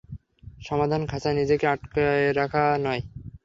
সমাধান খাচায় নিজেকে আটকে রাখা নয়।